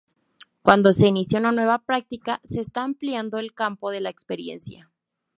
Cuando se inicia una nueva práctica, se está ampliando el campo de la experiencia.